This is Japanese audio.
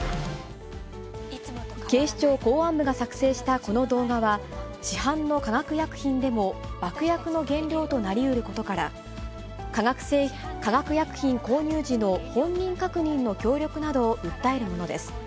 警視庁公安部が作成したこの動画は、市販の化学薬品でも爆薬の原料となりうることから、化学薬品購入時の本人確認の協力などを訴えるものです。